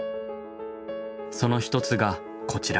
その一つがこちら。